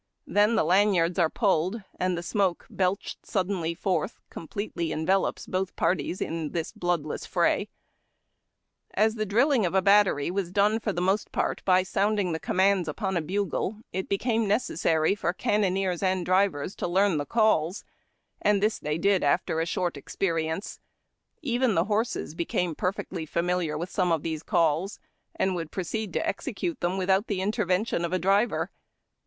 Then the lanyards are pulled, and the smoke, belched suddenly forth, completely envelops both parties to the bloodless fray. 186 HARD TACK AND COFFEE. As the drilling of a battery was done for tlie most part by sounding the commands upon a bugle, it became neces sary for cannoneers and drivers to learn the calls ; and this they did after a short experience. Even the horses became perfectly familiar with some of these calls, and would pro ceed to execute them without the intervention of a driver.